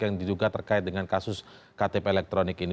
yang diduga terkait dengan kasus ktp elektronik ini